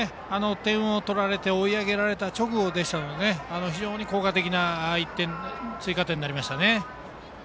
追い上げられた直後でしたので非常に効果的な追加点になりましたね。